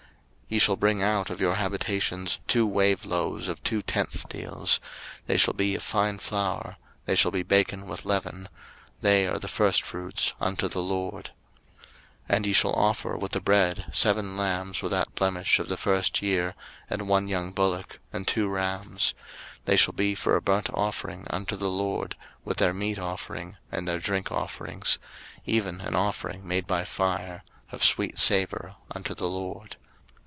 03:023:017 Ye shall bring out of your habitations two wave loaves of two tenth deals; they shall be of fine flour; they shall be baken with leaven; they are the firstfruits unto the LORD. 03:023:018 And ye shall offer with the bread seven lambs without blemish of the first year, and one young bullock, and two rams: they shall be for a burnt offering unto the LORD, with their meat offering, and their drink offerings, even an offering made by fire, of sweet savour unto the LORD.